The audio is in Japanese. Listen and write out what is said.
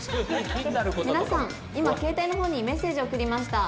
「皆さん今携帯の方にメッセージ送りました」